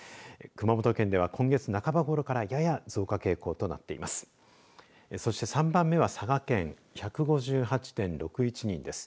熊本県では今月半ばごろからやや増加傾向となっています。